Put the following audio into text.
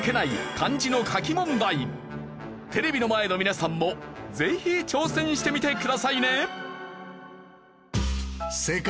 テレビの前の皆さんもぜひ挑戦してみてくださいね。